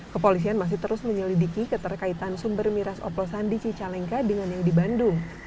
kepolisian masih terus menyelidiki keterkaitan sumber miras oplosan di cicalengka dengan yang di bandung